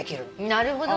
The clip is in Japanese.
なるほどね。